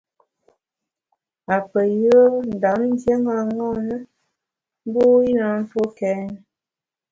Apeyùe Ndam ndié ṅaṅâ na, mbu i na ntue kèn.